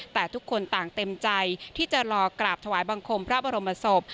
แต่ทุกคนต่างเต็มใจที่จะรอกราบถวายบังคมพระบรมศพ